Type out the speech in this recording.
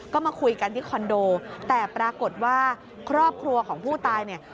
ก็มาคุยกันที่คอนโดแต่ปรากฏว่าครอบครัวของผู้ตายเนี่ย